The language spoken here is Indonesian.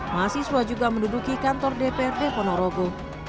mahasiswa juga menduduki kantor dprd ponorogo